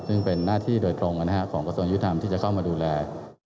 ซึ่งเป็นหน้าที่โดยตรงของกระทรวงยุทธรรมที่จะเข้ามาดูแล